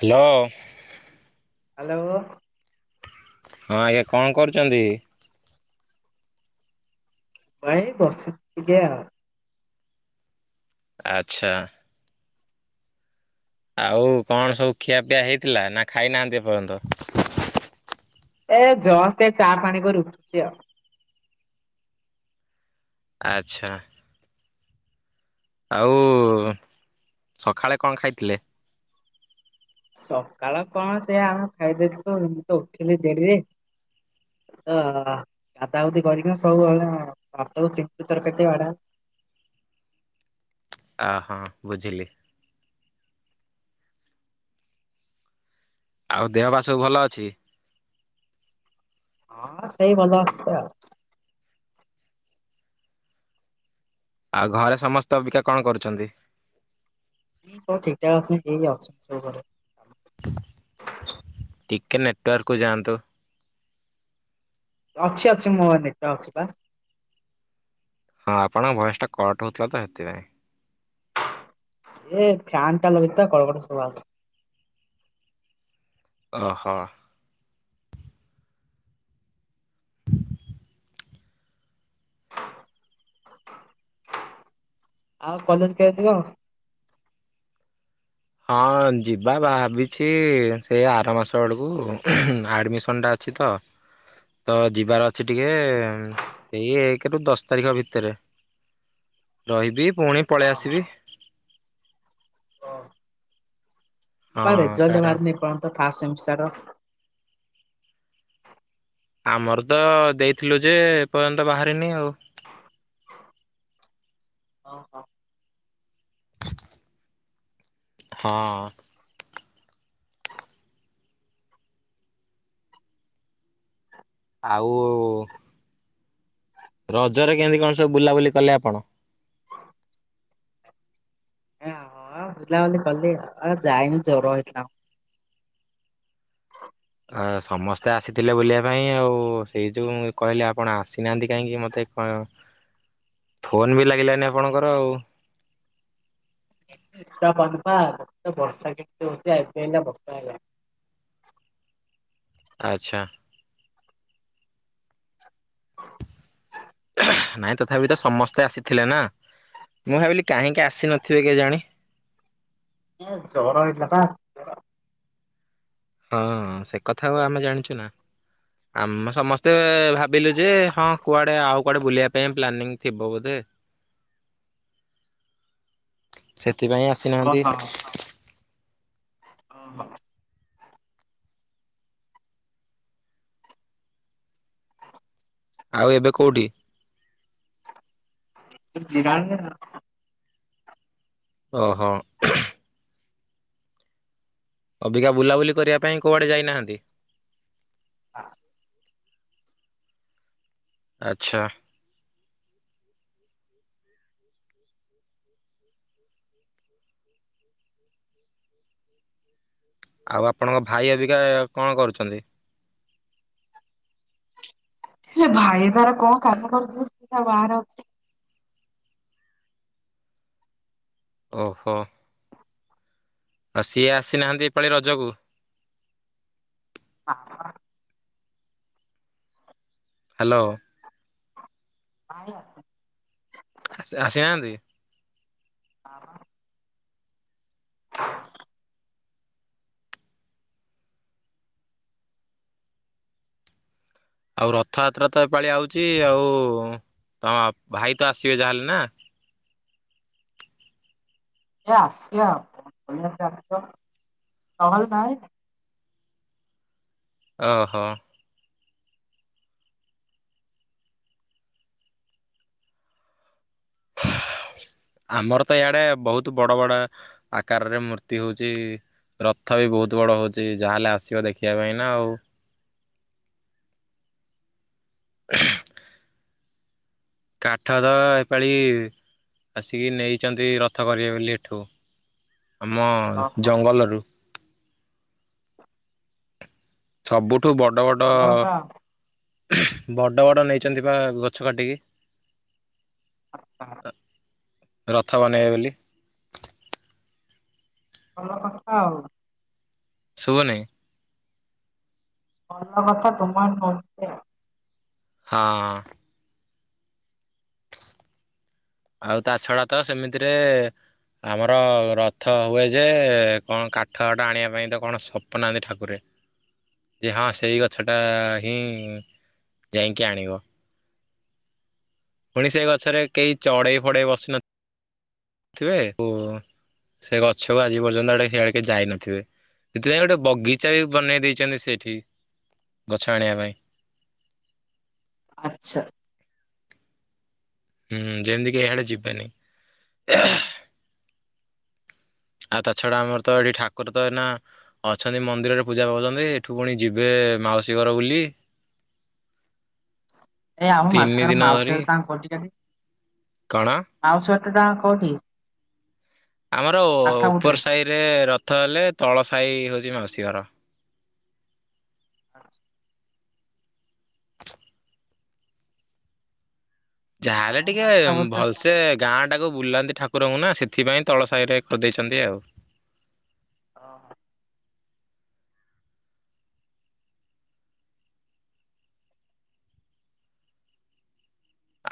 Hello. Hello. ହଁ ଆଜ୍ଞା କଣ କରୁଛନ୍ତି। ଭାଇ ବସି ଟିକେ ଆଉ। ଆଚ୍ଛା। ଆଉ କଣ ସବୁ ଖିଆ ପିଆ ହେଇଥିଲା ନା ଖାଇନାହାନ୍ତି ଏପର୍ଯ୍ୟନ୍ତ। ଏ ଜସ୍ଟ୍ ଏ ଚା ପାଣି କରି ଉଠୁଚି ଆଉ। ଆଚ୍ଛା। ଆଉ ସକାଳେ କଣ ଖାଇଥିଲେ। ସକାଳ କଣ ସେଆ ଆମେ ଖାଇଦେଇଛୁ ତ ମୁଁ ତ ଉଠିଲି ଦେଡିରେ ତ ଗାଧାଗୁଧି କରିକିନା ସବୁଳେ ହାତକୁ ଚିକୁ ତରକାରୀ ଟିକେ। ଅ ହଁ ବୁଝିଲି। ଆଉ ଦେହ ବା ସବୁ ଭଲ ଅଛି? ହଁ ସେଇ ଭଲ ଅଛି ଆଉ। ଆଉ ଘରେ ସମସ୍ତେ ଅବିକା କଣ କରୁଛନ୍ତି? ହିଁ ସବୁ ଠିକଠାକ ଅଛି ଏଇ ଅଛନ୍ତି ସବୁ ଘରେ। ଟିକେ ନେଟୱାର୍କକୁ ଯାଆନ୍ତୁ। ଅଛି ଅଛି ମୋ ନେଟୱାର୍କ ଅଛି ପା। ହଁ ଆପଣଙ୍କ ଭଏସ ଟା କଟ ହଉଥିଲା ତ ହେଥିପାଇଁ। ଏଇ ଫ୍ୟାନ୍ ଟା ଲଗେଇଚ ତ କଡ କଡ ଶୁଭାହଉଚି। ଓହୋ। ଆଉ କଲେଜ କେବେ ଯିବ? ହଁ ଯିବା ଭାବିଛି ସେ ଆର ମାସ ବେଳକୁ ଆଡ଼ମିସନ ଟା ଅଛି ତ ତ ଯିବାର ଅଛି ଟିକେ ସେଇ ଏକ ରୁ ଦଶ ତାରିଖ ଭିତରେ ରହିବି। ପୁଣି ପଳେଇ ଆସିବି। ବା ହଁ ରେଜଲ୍ଟ କାରଣ ବାହାରିନି ଏପର୍ଯ୍ୟନ୍ତ। First semester. ଆମର ତ ଦେଇଥିଲୁ ଯେ ଏ ପର୍ଯ୍ୟନ୍ତ ବାହାରିନି ଆଉ। ଅ ହୋ। ହଁ। ଆଉ। ରଜରେ କେମିତି କଣ ସବୁ ବୁଲାବୁଲି କଲେ ଆପଣ? ଆ ବୁଲା ବୁଲି କଲି ଆଉ ଯାଇନି ଜର ହେଇଥିଲା ମ। ଆ ସମସ୍ତେ ଆସିଥିଲେ ବୁଲିବା ପାଇଁ ଆଉ ସେଇ ଯୋଉ କହିଲେ ଆପଣ ଆସିନାହାନ୍ତି କାହିଁକି ମତେ କ ଫୋନ ବି ଲାଗିଲାନି ଆପଣଙ୍କର ଆଉ। [unintelligible] ବର୍ଷା କେମତି ହଉଛି ଏବେ ବର୍ଷା ହେଲାଣି। ଆଛା। ନାଇଁ ତଥାପି ତ ସମସ୍ତେ ଆସିଥିଲେ ନା ମୁଁ ଭାବିଲି କାହିଁକି ଆସି ନଥିବେ କେଜାଣି। ଜର ଏଇଥିଲା ପା ଆସଥିବ। ହଁ ସେ କଥା ଆମେ ଜାଣିଛୁ ନା ଆମେ ସମସ୍ତେ ଭାବିଲୁ ଯେ ହଁ କୁଆଡେ ଆଉ କୁଆଡେ ବୁଲିବା ପାଇଁ ପ୍ଲାନିଂ ଥିବ ବୋଧେ ସେ ସେଥିପାଇଁ ଆସିନାହାନ୍ତି। ଓହୋ ଅ ହଁ। ଆଉ ଏବେ କୋଉଠି। ସାର ଜିରାଙ୍ଗ ଯାଇନ। ଓହୋ। ଅବିକା ବୁଲାବୁଲି କରିବା ପାଇଁ କୁଆଡେ ଯାଇନାହାନ୍ତି। ହଁ। ଆଛା। ଆଉ ଆପଣଙ୍କ ଭାଇ ଏବିକା କଣ କରୁଛନ୍ତି? ହେ ଭାଇ ତାର କଣ କାମ କରୁଛ ବାହାରେ ଅଛି। ଓହୋ। ଆଉ ସିଏ ଆସିନାହାନ୍ତି। ଏ ପାଳି ରଜକୁ? ହଁ। ହ୍ୟାଲୋ। ନାଇଁ ଆସିନି। ସେ ଆସିନାହାନ୍ତି। [inaudible] ଆଉ ରଥଯାତ୍ରା ତ ଏପାଳି ଆଉଛି ଆଉ ତମ ଭାଇ ତ ଆସିବେ ଯାହାହେଲେ ନା? ଏ ଆସି ଆ ଭ ଆସ ନହଲ ନାଇଁ। ଓହୋ। ଆମର ତ ଇଡେ ବହୁତ ବଡ ବଡ ଆକାରରେ ମୂର୍ତ୍ତି ହଉଛି ରଥ ବି ବହୁତ ବଡ ହଉଛି ଯାହାେଲେ ଆସିବ ଦେଖିବା ପାଇଁ ନା ଆଉ। କାଠ ତ ଏପାଳି ଆସିକି ନେଇଛନ୍ତି ରଥ କରିବେ ବୋଲି ଏଠୁ। ଆମ ଓହୋ ଜଙ୍ଗଲରୁ। ସବବୁ। ୁ ବଡ ବଡ ଭଲ କଥା ଆଉ। ବଡ ବଡ ନେଇଛନ୍ତି ବା ଗଛ କାଟିକି। ଆଚଛା। ରଥ ବନେଇବେ ବୋଲି। ଭଲ କଥା ଆଉ। ଶୁଭନହିଁ। ମନକଥା ତୁମାର ନ ଉନି ଆଉ। ହଁ। ଆଉ ତା ଛଡା ତ ସେମିତିରେ ଆମର ରଥ ହୁଏ ଯେ କଣ କାଠ ହଠ ଆଣିବା ପାଇଁ ତ କଣ ସ୍ୱପ୍ନାହାନ୍ତି ଠାକୁରେ ଯେ ହଁ ସେଇ ଗଛଟା ହିଁ ଯାଇକି ଆଣିବ ପୁଣି ସେ ଗଛରେ କେହି ଚଢ଼େଇ ଫଡେଇ ବସିନଥିଲନ୍ତି। ଥିବେ ଓ ସେ ଗଛକୁ ଆଜି ପର୍ଯ୍ୟନ୍ତ ଆଡେ ସେଆଡିକ ଯାଇନଥିବେ ସେଥିପାଇଁ ଗୋଟେ ବଗିଚା ବି ବନେଇ ଦେଇଛନ୍ତି ସେଠି ଗଛ ଆଣିବା ପାଇଁ। ଆଚ୍ଛା। ହୁଁ ଯେମିତିକ ହେଡ ଯିବନି। ଆଉ ତା ଛଡା ଆମର ତ ଏଠି ଠାକୁର ତ ଏନା ଅଛନ୍ତି ମନ୍ଦିରରେ ପୂଜା ପାଉଛନ୍ତି ଏଠୁ ପୁଣି ଯିବେ ମାଉସୀ ଘର ବୁଲି। ଏଇ ଆଉ ମାରଥାର ମାଉସୋଗର ତାକ ପେଟି କ ରେ। କଣା? ଟା କଠି। ଆମର ଉପର ସାହି ରେ ର ରଥ ହେଲେ ତଳ ସାହି ହଉଛି ମାଉସୀ ଘର। ଆଚଛ। ଯାହାହ ହେେଲେ ଆମ ଟିକେ ମାଥା ବଥା ଭଲସେ ଗାଁ। ଟାକୁ ବୁଲାନ୍ତି ଠାକୁରଙ୍କୁ ନା ସେଥିପାଇଁ ତଳ ସାହି ରେ କରିଦେଇଛନ୍ତି ଆଉ। ହଁ ହ।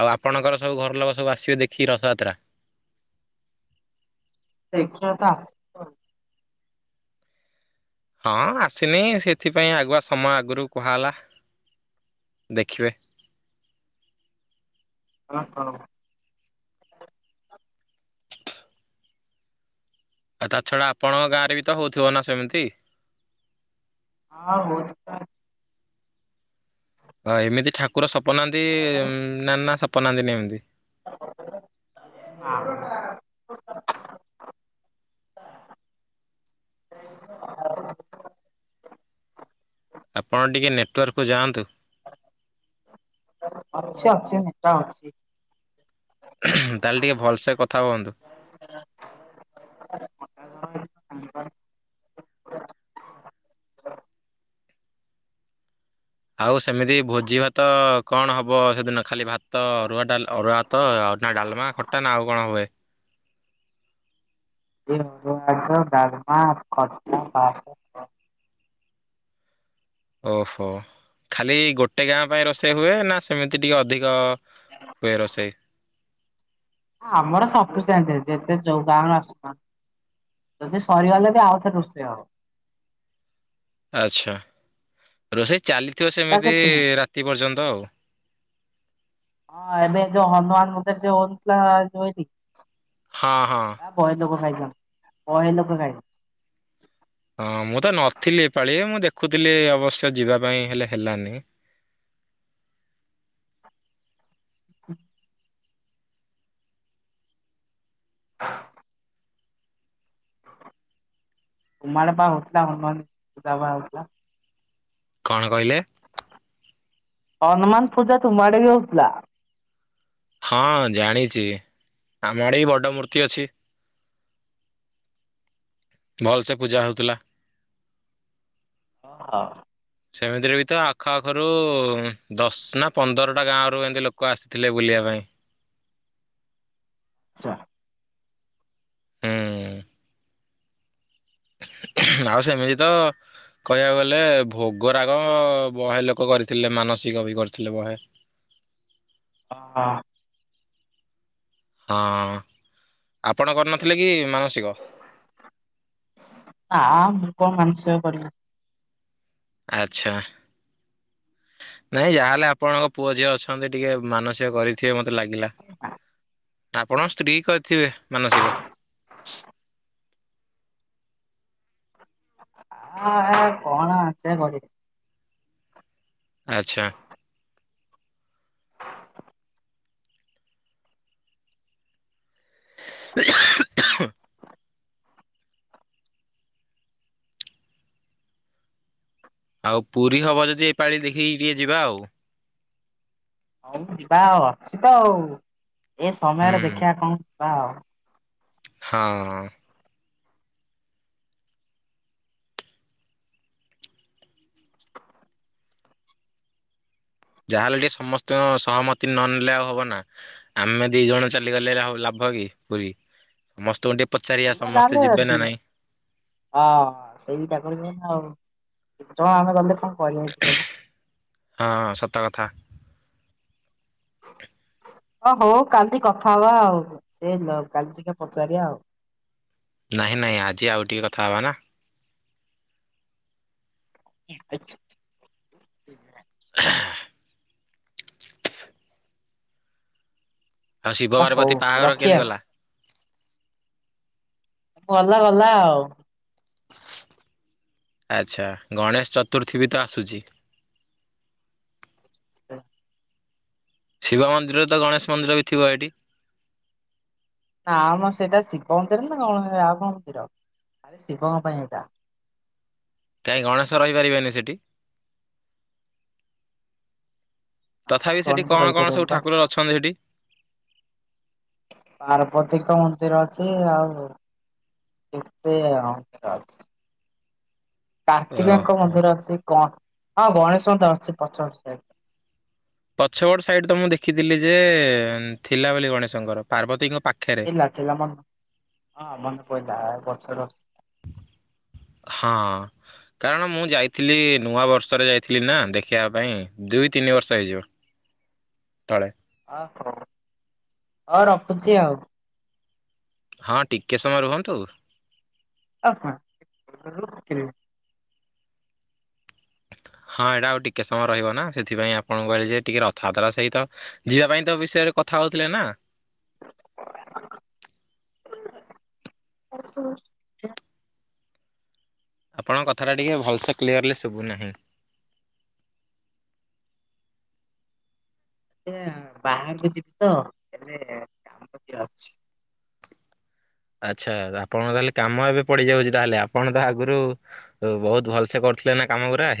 ଆଉ ଆପଣଙ୍କର ସବୁ ଘର ଲୋକ ସବୁ ଆସିବେ ଦେଖିକି ରଥଯାତ୍ରା। ଦେ [inaudible] ହଁ ଆସିନି ସେଥିପାଇଁ ଆଗୁଆ ସମୟ ଆଗରୁ କୁହା ହେଲା ଦେଖିବେ। ହ ହ। ଆଉ ତା ଛଡା ଆପଣଙ୍କ ଗାଁରେ ବି ତ ହଉଥିବ ନା ସେମିତି। ହଁ ହଉଛି ତ। ହଁ ଏମିତି ଠାକୁର ସବ ବନାନ୍ତି ନା ନ ଅପନାହାନ୍ତିନ ଏମିତି ଆଁ [inaudible] ଆପଣ ଟିକେ ନେଟୱାର୍କକୁୁ ଯାଆନ୍ତୁ। ଅଛି ଅଛି ନେଟା ଅଛି। ତାହେଲେ ଟିକେ ଭଲସ କଥା ହୁଅନ୍ତୁ। [inaudible] ଆଉ ସେମିତି ଭୋଜି ଭାତ କଣ ହବ ସେଦିନ ଖାଲି ଭାତ ତ ଅରୁଆ ଡା ଅରୁଆ ତ ଆଉ ନା ଡାଲମା ଖଟା ନା ଆଉ କଣ ହୁଏ ମା ଖ ଓହୋ ଖାଲି ଗୋଟେ ଗାଁ ପାଇଁ ରୋଷେଇ ହୁଏ ନା ସେମିତି ଟିକେ ଅଧିକ ହୁଏ ରୋଷେଇ ଆମର ସବଠୁ ସେମତି ଯେତେ ଯୋଉ ଗାଁ ର ଆସୁ ଯଦି ସରିଗଲେ ବି ଆଉଥରେ ରୋଷେଇ ହବ ଆଚଛା ରୋଷେଇ ଚାଲି ଟା କିଛି ନାହି ହଁ ଏବେ ଯୋଉ ହନୁମାନ ମନ୍ଦିର ଯୋଉ ଯନି ହଁ ହଁ। ଆ ବହି ସବୁ ଖାଇଛ ଓ ହେନ ଖାାଇ ହଁ ମୁଁ ତ ନଥିଲି ଏପାଳି ମୁଁ ଦେଖୁଥିଲି ଅବଶ୍ୟ ଯିବା ପାଇଁ ହେଲେ ହେଲାନି ହ ଉମାଡପା ଓଟଥିଲା ହ ସୁା ବାଟଲା କଣ କହିଲେ ହନୁମାନ ପୂଜା ତୁମ ଆଡେ ବି ହଉଥିଲା ହଁ ଜାଣିଛି ଆମ ଆଡେ ବି ବଡ ମୂର୍ତ୍ତି ଅଛି ଭଲସେ ପୂଜା ହଉଥିଲା ହଁ ହଁ ସେମିତିରେ ବି ତ ଆଖ ପାଖରୁ ଦଶ ନା ପନ୍ଦରଟା ଗାଁ ରୁ ଏମତି ଲୋକ ଆସିଥିଲେ ବୁଲିବା ପାଇଁ ଆଚଛା ହୁଁ ଆଉ ସେମିତି ତ କହିବାକୁ ଗଲେ ଭୋଗରାଗ ବହେ ଲୋକ କରିଥିଲେ ମାନସିକ ବି କରିଥିଲେ ବହେ ହ ହଁ ଆପଣ କରିନଥିଲେ କି ମାନସିକ? ଆଁ କଣ ମାନସିକ କରିବ ଆଚ୍ଛା ନାଇଁ ଯାହାହଲେ ଆପଣଙ୍କ ପୁଅ ଝିଅ ଅଛନ୍ତି ଟିକେ ମାନସିକ କରିଥିବେ ମତେ ତ ଲାଗିଲା ଆପଣଙ୍କ ସ୍ତ୍ରୀ କହି ଥିବେ ମାନସିକ ଆ କଣ ଅଛରେ ଆଚ୍ଛା ଆଉ ପୁରୀ ହବ ଯଦି ଏ ପାଳି ଦେଖିକି ଟିକେ ଯିବା ଆଉ ହଉ ଯିବା ଆଉ ଅଛି ତ ଆଉ ଏ ସମୟରେ ହୁଁ ଦେଖିବା କଣ ହଁ ହଁ ଯାହାହେଲେ ଟିକେ ସମସ୍ତଙ୍କ ସହମତି ନ ନେଲେ ଆଉ ହବ ନା ଆମେ ଦି ଜଣ ଚାଲିଗଲେ ଲାଭ କି ପୁରୀ ସମସ୍ତଙ୍କୁ ଟିକେ ପଚାରିବା ପ ସମସ୍ତେ ଯିବେ ନା ତାଲେଦି ନାଇଁ। ହଁ ସେଇଟା କରିବେ ଆଉ ଛଣ ଆମେ ଗଲେ କଣ [inaudible] ହଁ ସତ କଥା। ଓ ହଉ କାଲି କଥା ହବା ଆଉ ସେ କାଲି ଟିକେ ପଚାରିବା ଆଉ। ନାଇଁ ନାଇଁ ଆଜି ଆଉ ଟିକେ କଥା ହବା ନା। [inaudible] ଆଉ ଶିବ ଆ ହଉ ପାର୍ବତୀ ବାହାଘର ରଖିବା କେମିତି ଗଲା। ଗଲା ଗଲା ଆଉ। ଆଚ୍ଛା ଗଣେଶ ଚତୁର୍ଥୀ ବି ତ ଆସୁଛି। ହ [inaudible] ଶିବ ମନ୍ଦିରରେ ତ ଗଣେଶ ମନ୍ଦିର ବି ଥିବ ଏଇଠି। ନାଆ ମ ସେଇଟା ଶିବ ମନ୍ଦିର ନା କଣ ରାମ ମନ୍ଦିର ଆରେ ଶିବଙ୍କ ପାଇଁ ଏଇଟା। କାହିଁ ଗଣେଶ ରହିପାରିବେନି ସେଠି। ନା ତଥାପି ସେଠି ଗଣେଶ କଣ କଣ ରହିପାରିବେନି ସବୁ ବା ଠାକୁରର ଅଛନ୍ତି ସେଠି। ପାର୍ବତୀଙ୍କ ମନ୍ଦିର ଅଛି ଆଉ କେତେ ମନ୍ଦିର ଅଛି। କାର୍ତ୍ତିକଙ୍କ ଓହୋ। ମଧ୍ୟରେ ଅଛି କଣ? ହଁ ଗଣେଶ [inaudible] ପଛପଟ ସାଇଡ ତ ମୁଁ ଦେଖିଥିଲି ଯେ ଥିଲା ବୋଲି ଗଣେଶଙ୍କର ପାର୍ବତୀଙ୍କ ପାଖରେ। ଥିଲା ଥିଲା ମନ୍ଦିର ହଁ ମନେ ପଇଲା। ହ [inaudible] ହଁ କାରଣ ମୁଁ ଯାଇଥିଲି ନୂଆ ବର୍ଷରେ ଯାଇଥିଲି ନା ଦେଖିବା ପାଇଁ ଦୁଇ ତିନି ବର୍ଷ ହେଇଯିବ ତଳେ ଓହୋ ହଉ ରଖୁଛି ଆଉ ହଁ ଟିକେ ସମୟ ରୁହନ୍ତୁ। ଅ ହ, ହଁ ଏଇଟା ଆଉ ଟିକେ ସମୟ ରହିବ ନା ସେଥିପାଇଁ ଆପଣଙ୍କୁ କହିଲେ ଯେ ଟିକେ ରଥଯାତ୍ରା ସହିତ ଯିବା ପାଇଁ ତ ବିଷୟରେ କଥା ହଉଥିଲେ ନା। ଆସ [inaudible] ଆପଣଙ୍କ କଥାଟା ଟିକେ ଭଲସେ କ୍ଲିୟରଲି ଶୁଭୁନାହିଁ। ଆ ବାହାରକୁ ଯିବି ତ ହେଲେ କାମଟେ ଅଛି। ଆଚ୍ଛା ଆପଣ ତାହେଲେ କାମ ଏବେ ପଡିଯାଉଛି ତାହେଲେ ଆପଣ ତ ଆଗରୁ ବହୁତ ଭଲ ସେ କରୁଥିଲେ ନା କାମ ଗୁରା ହେ